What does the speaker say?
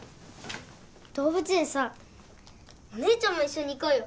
動物園さお姉ちゃんも一緒に行こうよ。